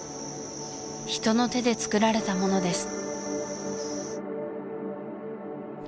人の手で造られたものです